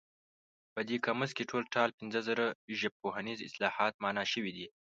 په دې قاموس کې ټول ټال پنځه زره ژبپوهنیز اصطلاحات مانا شوي دي.